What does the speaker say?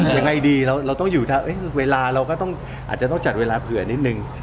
ยังไงดีเราต้องอยู่เวลาเราก็ต้องอาจจะต้องจัดเวลาเผื่อนิดนึง